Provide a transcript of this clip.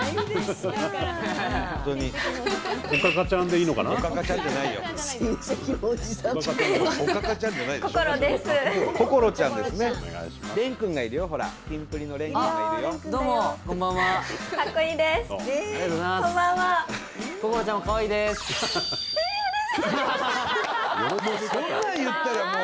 そんなん言ったらもう！